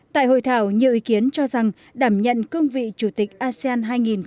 tại hội thảo nhiều ý kiến cho rằng đảm nhận cương vị chủ tịch asean hai nghìn hai mươi